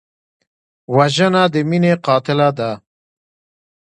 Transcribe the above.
وژنه د مینې قاتله ده